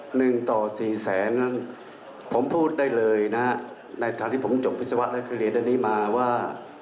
หนึ่งต่อสี่แสนนั้นผมพูดได้เลยนะฮะในทางที่ผมจบวิศวะและเคยเรียนอันนี้มาว่า